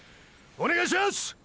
お願いします！